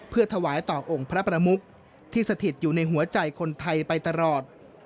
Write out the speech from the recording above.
เพื่อถวายต่อองค์พระประมุกที่สถิตอยู่ในหัวใจคนไทยไปตลอด